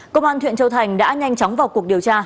công an huyện châu thành đã nhanh chóng vào cuộc điều tra